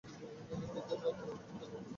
ব্যাধির যন্ত্রণায় কোন কথা বলছেন না।